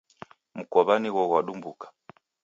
Mkowa nigho ghwadumbuka